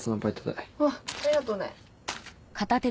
あっありがとね。